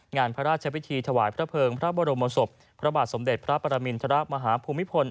งานพระราชพิธีถวายพระเภิงพระบรมศพพระบาทสมเด็จพระปรมินทรมาฮภูมิพล